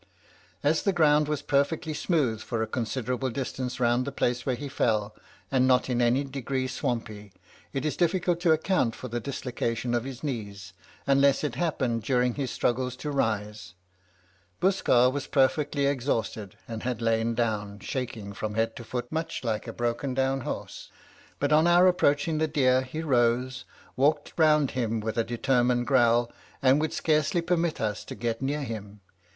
"As the ground was perfectly smooth for a considerable distance round the place where he fell, and not in any degree swampy, it is difficult to account for the dislocation of his knees, unless it happened during his struggles to rise. Buskar was perfectly exhausted, and had lain down, shaking from head to foot much like a broken down horse; but on our approaching the deer he rose, walked round him with a determined growl, and would scarcely permit us to get near him.